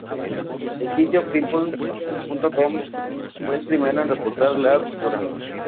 El sitio People.com fue el primero en reportar la ruptura.